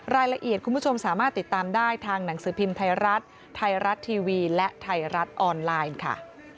คุณผู้ชมสามารถติดตามได้ทางหนังสือพิมพ์ไทยรัฐไทยรัฐทีวีและไทยรัฐออนไลน์ค่ะ